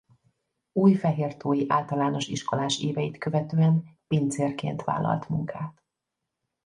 Újfehértói általános iskolás éveit követően pincérként vállalt munkát.